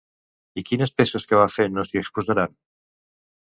I quines peces que va fer no s'hi exposaran?